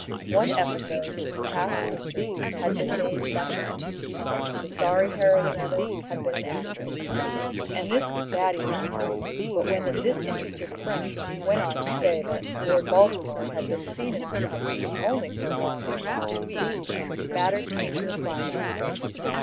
One episode in his past history had been made much of. The sorry heroine of it had been an actress. This was bad enough, but when the disinterested friend went on to say that Lord Baltimore had been seen in her company only so long ago as last week, matters came to a climax.